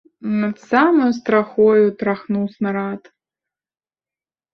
Над самаю страхою трахнуў снарад.